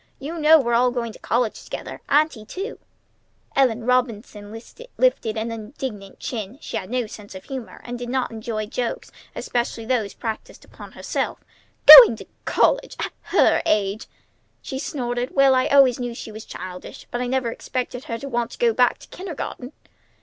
"You know we're all going to college together, Auntie, too!" Ellen Robinson lifted an indignant chin. She had no sense of humor, and did not enjoy jokes, especially those practised upon herself. "Going to college! At her age!" she snorted. "Well, I always knew she was childish, but I never expected her to want to go back to kindergarten!"